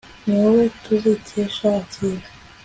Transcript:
ni wowe tuzikesha akira